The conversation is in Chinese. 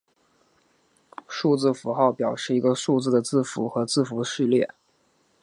数字符号表示一个数字的字符和字符序列。